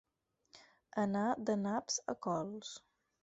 Anar de naps a cols.